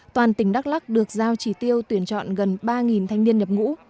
toàn tỉnh đắk lắc được giao chỉ tiêu tuyển chọn gần ba thanh niên nhập ngũ